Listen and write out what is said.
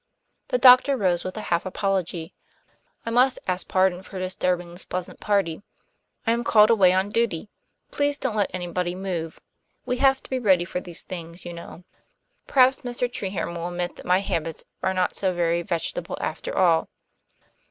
The doctor rose with a half apology. "I must ask pardon for disturbing this pleasant party; I am called away on duty. Please don't let anybody move. We have to be ready for these things, you know. Perhaps Mr. Treherne will admit that my habits are not so very vegetable, after all."